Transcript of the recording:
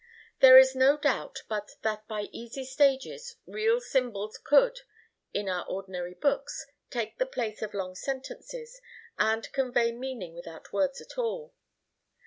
There is no doubt but that by easy stages real symbols could, in our ordinary books, take the place of long sentences, and convey meaning without words at all.